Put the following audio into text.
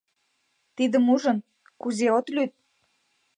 Тидым ужын, кузе от лӱд.